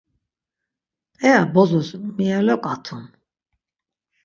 P̌eya bozos mi eloǩatun?